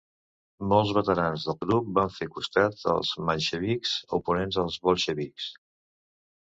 Molts veterans del grup va fer costat als menxevics, oponents dels bolxevics.